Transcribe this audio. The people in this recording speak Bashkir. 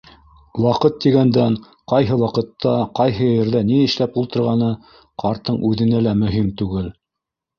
Ваҡыт тигәндән, ҡайһы ваҡытта, ҡайһы ерҙә ни эшләп ултырғаны ҡарттың үҙенә лә мөһим түгел.